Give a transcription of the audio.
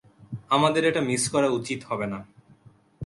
আমাদের এটা মিস করা উচিত হবে না!